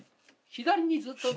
左にずっと。